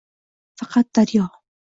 Faqat daryo